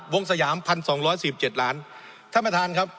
สยามพันสองร้อยสี่สิบเจ็ดล้านท่านประธานครับ